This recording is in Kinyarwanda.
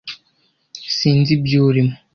Sinzi ibyo urimo,